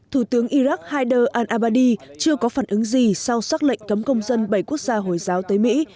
thủ tướng iraq haider al abadi chưa có phản ứng gì sau xác lệnh cấm công dân bảy quốc gia hồi giáo tới mỹ